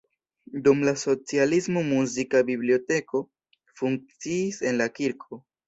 Dum la socialismo muzika biblioteko funkciis en la kirko.